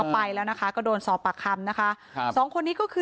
ไปแล้วนะคะก็โดนสอบปากคำนะคะ